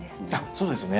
そうですね。